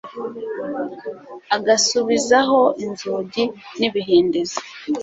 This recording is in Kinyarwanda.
agasubizaho inzugi n'ibihindizo